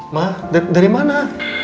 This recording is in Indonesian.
ma dari mana